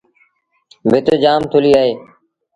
ڀت جآم ٿُليٚ اهي۔